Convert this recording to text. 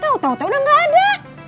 tahu tau sudah tidak ada